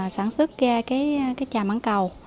sản xuất ra trà mảng cầu